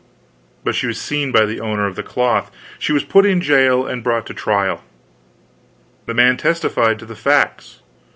But she was seen by the owner of the cloth. She was put in jail and brought to trial. The man testified to the facts.